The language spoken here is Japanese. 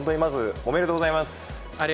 ありがとうございます。